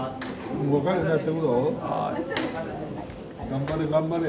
頑張れ頑張れ！